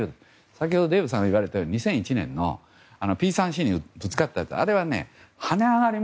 先ほどデーブさんが言われたように２００１年のＰ３Ｃにぶつかったという。